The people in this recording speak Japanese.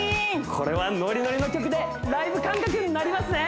これはノリノリの曲でライブ感覚になりますね